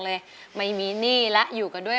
เลยไม่มีหนี้แล้วอยู่กันด้วย